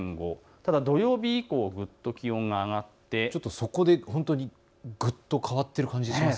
ただ土曜日以降、ぐっと気温が上がってそこで本当にぐっと変わっている感じがしますね。